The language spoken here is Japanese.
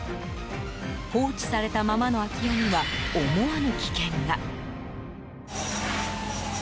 放置されたままの空き家には思わぬ危険が。